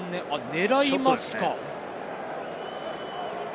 狙いますか。